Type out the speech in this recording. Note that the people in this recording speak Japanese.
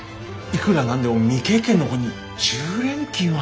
いくら何でも未経験の子に１０連勤は。